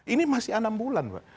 ini masih enam bulan